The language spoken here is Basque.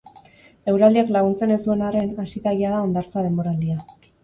Eguraldiak laguntzen ez duen arren, hasi da jada hondartza denboraldia.